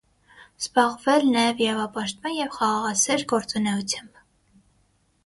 Զբաղվել նաև իրավապաշտպան և խաղաղասեր գործունեությամբ։